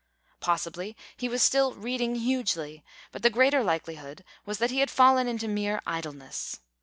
Possibly he was still "reading hugely," but the greater likelihood was that he had fallen into mere idleness.